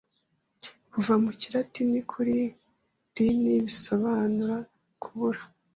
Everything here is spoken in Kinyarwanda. Kuva mu kilatini kuri rini bisobanura kubura